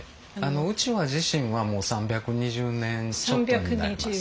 うちわ自身はもう３２０年ちょっとになります。